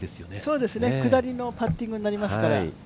そうですね、下りのパッティングになりますから。